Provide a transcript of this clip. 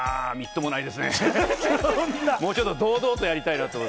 もうちょっと堂々とやりたいなと思って。